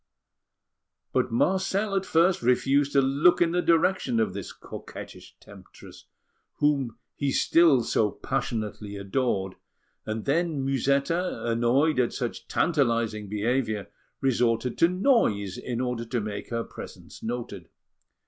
But Marcel at first refused to look in the direction of this coquettish temptress, whom he still so passionately adored; and then, Musetta, annoyed at such tantalising behaviour, resorted to noise in order to make her presence noted.